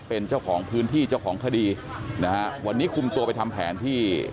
เป็นเจ้าของพื้นที่เจ้าของคดีนะฮะวันนี้คุมตัวไปทำแผนที่